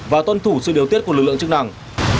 và tuân thủ sự điều tiết của lực lượng chức năng